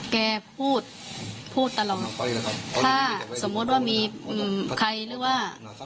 แกพูดพูดตลอดถ้าสมมุติว่ามีใครหรือว่า